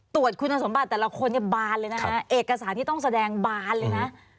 ตรวจคุณสมบัติแต่ละคนเนี่ยบานเลยนะคะเอกสารที่ต้องแสดงบานเลยนะ